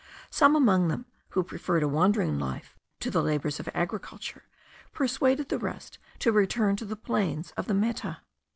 Some among them, who preferred a wandering life to the labours of agriculture, persuaded the rest to return to the plains of the Meta.